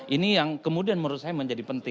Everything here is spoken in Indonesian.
ini yang kemudian menurut saya menjadi penting